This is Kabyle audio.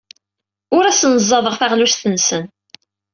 Ur asen-ẓẓadeɣ taɣlust-nsen.